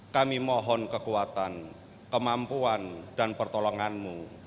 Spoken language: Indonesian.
kami mohon kekuatan kemampuan dan pertolonganmu